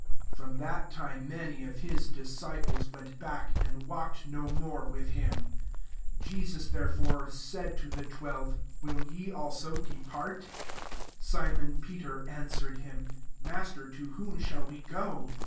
66 From that time^ many of his disciples went back, and walked no more with him. 67 Jesus therefore said to the twelve, •* Will ye also depart V* 68 Simon Peter answered him, " Master, to whom shall we go?